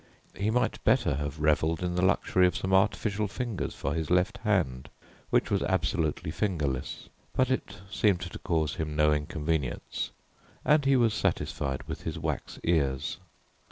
He might better have revelled in the luxury of some artificial fingers for his left hand, which was absolutely fingerless, but it seemed to cause him no inconvenience, and he was satisfied with his wax ears.